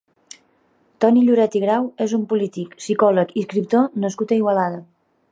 Toni Lloret i Grau és un polític, psicòleg i escriptor nascut a Igualada.